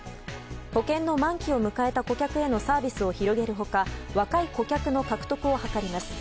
保険の満期を迎えた顧客へのサービスを広げる他若い顧客の獲得を図ります。